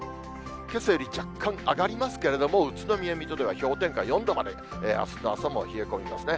けさより若干上がりますけれども、宇都宮、水戸では氷点下４度まで、あすの朝も冷え込みますね。